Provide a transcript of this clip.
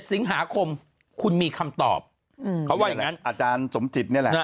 ๑๗สิงหาคมคุณมีคำตอบอัจจารย์สมจิตเนี่ยแหละ